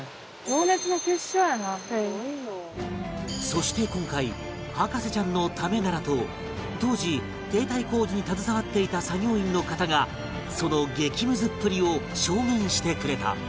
そして今回『博士ちゃん』のためならと当時堤体工事に携わっていた作業員の方がその激ムズっぷりを証言してくれた